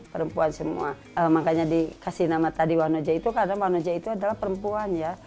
perempuan semua makanya dikasih nama tadi wanoja itu karena wanoja itu adalah perempuan ya